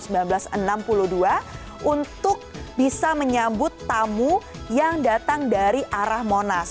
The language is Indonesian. jadi di tahun seribu sembilan ratus enam puluh dua untuk bisa menyambut tamu yang datang dari arah monas